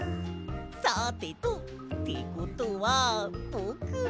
さてとってことはぼくは。